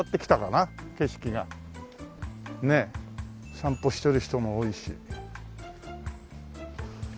散歩してる人も多いし。